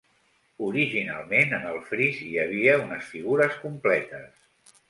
Originalment, en el fris hi havia unes figures completes.